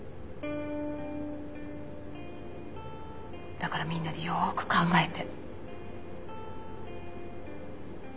だからみんなでよく考えて。